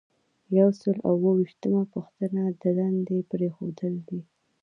یو سل او اووه ویشتمه پوښتنه د دندې پریښودل دي.